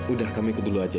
udah kami ke dulu aja ya